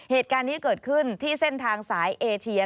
เหตุการณ์นี้เกิดขึ้นที่เส้นทางสายเอเชีย